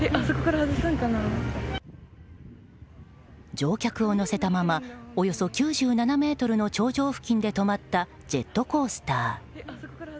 乗客を乗せたままおよそ９７ｍの頂上付近で止まったジェットコースター。